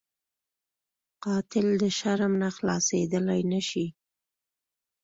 قاتل د شرم نه خلاصېدلی نه شي